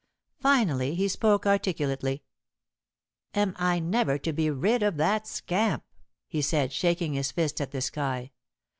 Finally, he spoke articulately. "Am I never to be rid of that scamp?" he said, shaking his fist at the sky.